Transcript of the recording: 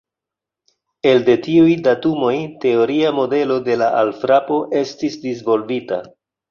Elde tiuj datumoj, teoria modelo de la alfrapo estis disvolvita.